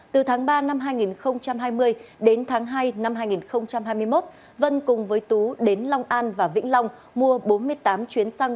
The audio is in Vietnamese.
từ tháng ba năm hai nghìn hai mươi đến tháng hai năm hai nghìn hai mươi một vân cùng với tú đến long an và vĩnh long mua bốn mươi tám chuyến xăng